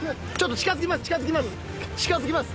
近づきます。